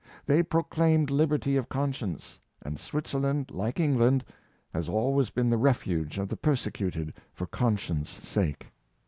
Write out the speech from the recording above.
They proclaimed liberty of con science, and Switzerland, like England, has always been the refuge of the persecuted for conscience' sake.